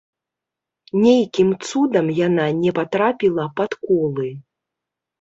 Нейкім цудам яна не патрапіла пад колы.